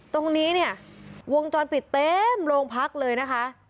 ตรงนี้เนี่ยวงจรปิดเต็มโรงพักเลยนะคะ